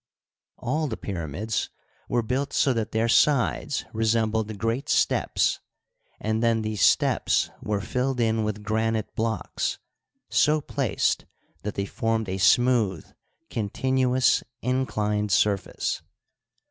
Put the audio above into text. All the pyramids were built so that their sides resembled great steps, and then these steps were filled in with granite blocks, so placed that they formed a smooth, continuous inclined surface.